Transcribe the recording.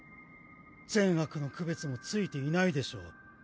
善悪の区別もついていないでしょう。